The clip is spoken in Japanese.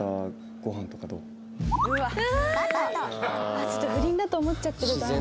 あっちょっと不倫だと思っちゃってるからな。